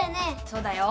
そうだよ。